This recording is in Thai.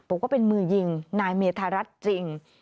บอกว่าเป็นมือยิงนายเมธารัฐจริง